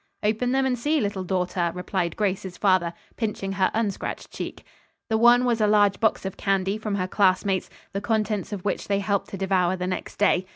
"Open them and see, little daughter," replied Grace's father, pinching her unscratched cheek. The one was a large box of candy from her classmates, the contents of which they helped to devour the next day.